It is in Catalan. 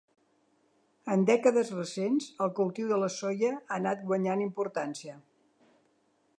En dècades recents el cultiu de la soia ha anat guanyant importància.